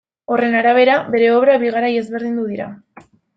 Horren arabera, bere obra bi garai desberdindu dira.